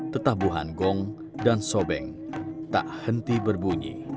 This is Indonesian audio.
tetap buhan gong dan sobing tak henti berbunyi